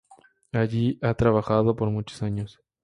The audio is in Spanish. Allí ha trabajado por muchos años.